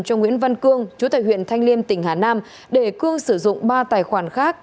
cho nguyễn văn cương chú tài huyện thanh liêm tỉnh hà nam để cương sử dụng ba tài khoản khác